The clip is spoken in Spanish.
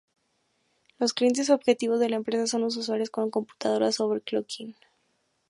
Los clientes objetivos de la empresa son los usuarios con computadoras overclocking.